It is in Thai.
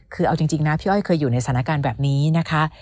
คือเอาจริงนะพี่อ้อยเคยอยู่ในสถานการณ์แบบนี้นะคะ